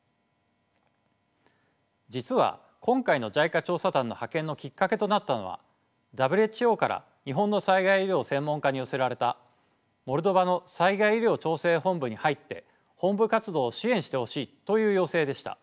実は今回のＪＩＣＡ調査団の派遣のきっかけとなったのはＷＨＯから日本の災害医療専門家に寄せられたモルドバの災害医療調整本部に入って本部活動を支援してほしいという要請でした。